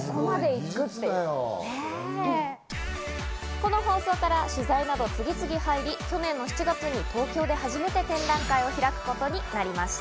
この放送から取材など次々入り、去年の７月に東京で初めて展覧会を開くことになりました。